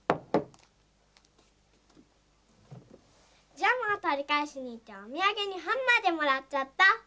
ジャムをとりかえしにいっておみやげにハムまでもらっちゃった。